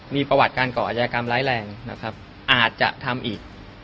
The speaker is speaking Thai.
มีประวัติการก่ออาจยากรรมร้ายแรงนะครับอาจจะทำอีก